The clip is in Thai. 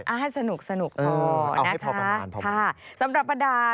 ให้สนุกพอนะคะพอประมาณค่ะสำหรับประดาว